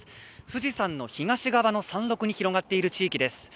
富士山の東側の山麓に広がっている地域です。